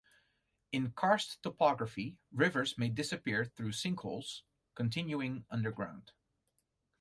In karst topography, rivers may disappear through sinkholes, continuing underground.